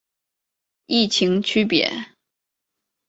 异腈区别。